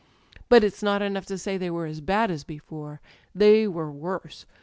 '^But it's not enough to say they were as bad as be fore: they were worse.